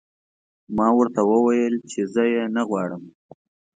ما ورته وویل چې زه یې نه غواړم